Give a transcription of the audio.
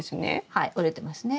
はい折れてますね。